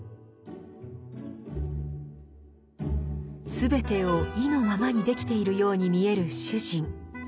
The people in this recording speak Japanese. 全てを意のままにできているように見える主人。